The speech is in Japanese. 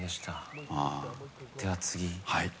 では、次。